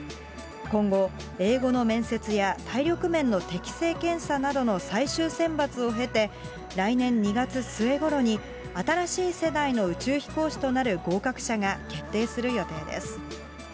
今後、英語の面接や体力面の適性検査などの最終選抜を経て、来年２月末ごろに、新しい世代の宇宙飛行士となる合格者が決定する予定です。